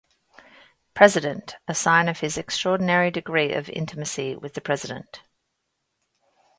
President,' a sign of his extraordinary degree of intimacy with the president.